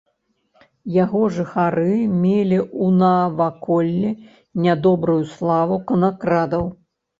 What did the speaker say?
Яго жыхары мелі ў наваколлі нядобрую славу канакрадаў.